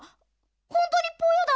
ほんとにポヨだ。